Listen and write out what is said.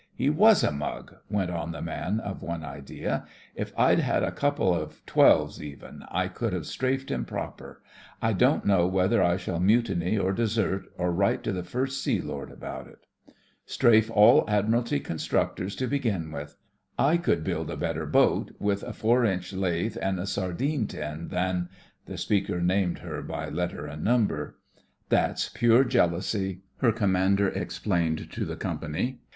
"He was a mug!" went on the man of one idea. "If I'd had a couple of twelves even, I could have strafed him proper. I don't know whether I shall mutiny, or desert, or write to the First Sea Lord about it." "Strafe all Admiralty constructors to begin with. / could build a better boat with a 4 inch lathe and a sardine THE FRINGES OF THE FLEET 47 tin than ," the speaker named her by letter and number. "That's pure jealousy," her com mander explained to the company.